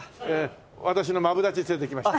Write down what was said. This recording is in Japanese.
私のマブダチ連れてきました。